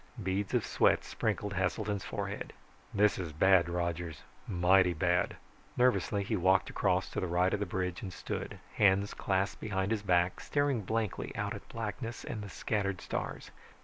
Beads of sweat sprinkled Heselton's forehead. "This is bad, Rogers. Mighty bad." Nervously, he walked across to the right of the bridge and stood, hands clasped behind his back, staring blankly out at blackness and the scattered stars.